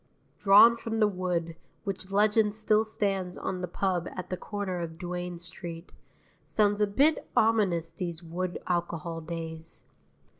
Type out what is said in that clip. Drawn from the wood, which legend still stands on the pub at the corner of Duane Street, sounds a bit ominous these wood alcohol days.